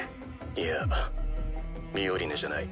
いやミオリネじゃない。